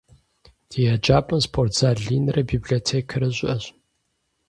Ди еджапӀэм спортзал инрэ библиотекэрэ щыӀэщ.